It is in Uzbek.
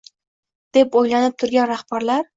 deb o‘ylanib turgan rahbarlar